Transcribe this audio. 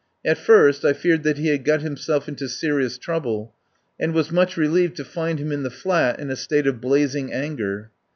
At first, I feared that he had got himself into serious trouble, and was much relieved to find him in the flat in a state of blazing anger.